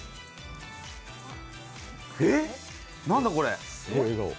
えっ、何だこれ。